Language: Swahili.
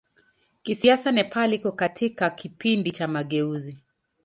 Kisiasa Nepal iko katika kipindi cha mageuzi.